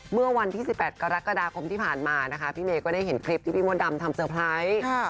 เมื่อวันที่๑๘กรกฎาคมที่ผ่านมานะคะพี่เมย์ก็ได้เห็นคลิปที่พี่มดดำทำเตอร์ไพรส์